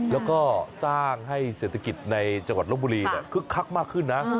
แล้วก็สร้างให้เศรษฐกิจในจังหวัดลบบุรีคึกคักมากขึ้นนะ